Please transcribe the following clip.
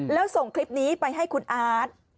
แล้วส่งคลิปนี้ไปให้คุณอาร์ต